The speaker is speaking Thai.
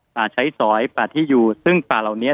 ใช้สอยป่าที่อยู่ซึ่งป่าเหล่านี้